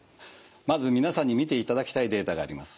まず皆さんに見ていただきたいデータがあります。